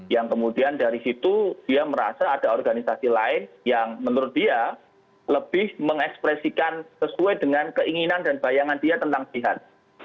yang kemudian dari situ dia merasa ada organisasi lain yang menurut dia lebih mengekspresikan sesuai dengan keinginan dan bayangan dia tentang jihad